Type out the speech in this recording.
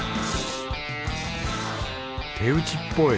手打ちっぽい？